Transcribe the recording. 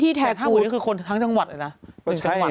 ที่แรกคิดว่าแสน๑